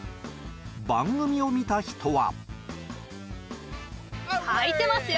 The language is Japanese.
番組を見た人は。